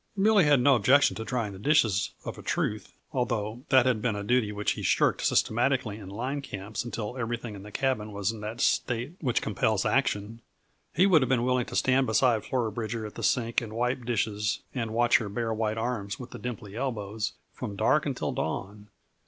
Billy had no objections to drying the dishes; of a truth, although that had been a duty which he shirked systematically in line camps until everything in the cabin was in that state which compels action, he would have been willing to stand beside Flora Bridger at the sink and wipe dishes (and watch her bare, white arms, with the dimply elbows) from dark until dawn.